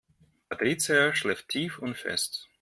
Patricia schläft tief und fest.